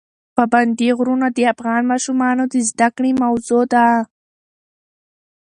پابندي غرونه د افغان ماشومانو د زده کړې موضوع ده.